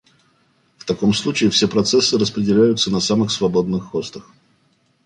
В таком случае все процессы распределяются на самых свободных хостах